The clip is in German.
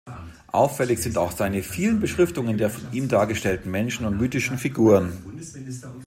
Auffällig sind auch seine vielen Beschriftungen der von ihm dargestellten Menschen und mythischen Figuren.